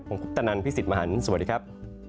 ผมคุปตะนันพี่สิทธิ์มหันฯสวัสดีครับ